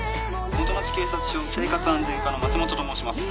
☎元町警察署生活安全課の松本と申します。